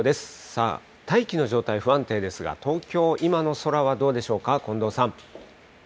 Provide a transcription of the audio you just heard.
さあ、大気の状態不安定ですが、東京、今の空はどうでしょうか、近藤さん。